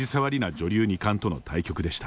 女流二冠との対局でした。